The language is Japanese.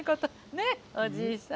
ねえおじいさん。